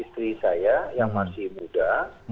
istri saya yang masih muda